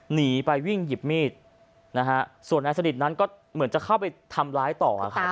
หนีไปวิ่งหยิบมีดนะฮะส่วนนายสนิทนั้นก็เหมือนจะเข้าไปทำร้ายต่อครับ